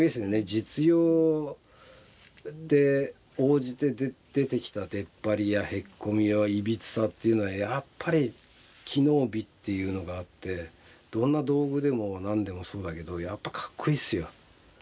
実用で応じて出てきたでっぱりやへっこみやいびつさっていうのはやっぱり機能美っていうのがあってどんな道具でも何でもそうだけどやっぱかっこいいっすよ。